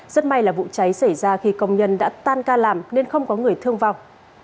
rất may là vụ cháy xảy ra khi công nhân đã tan ca làm nên không có người thương vong